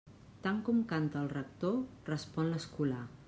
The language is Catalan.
Tant com canta el rector, respon l'escolà.